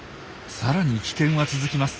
さらに危険は続きます。